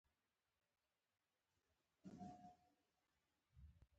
د جګړې په سیمه کې ملکي او ولسي حمایت نه کوي.